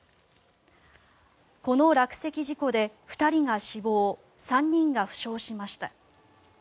この落石事故で２人が死亡３人が負傷しました。